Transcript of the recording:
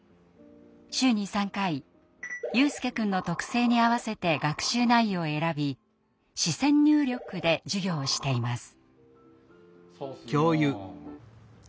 週に３回悠翼くんの特性に合わせて学習内容を選び視線入力で授業をしています。